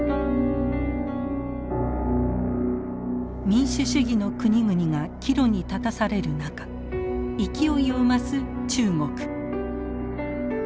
民主主義の国々が岐路に立たされる中勢いを増す中国。